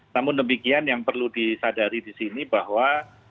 namun demikian yang perlu disadari di sini bahwa